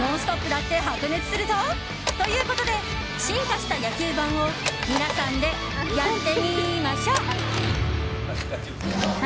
だって白熱するぞ！ということで進化した野球盤を皆さんで、やってみましょっ！